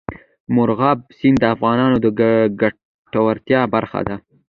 مورغاب سیند د افغانانو د ګټورتیا برخه ده.